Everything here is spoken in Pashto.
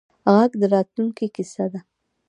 غږ د راتلونکې کیسه ده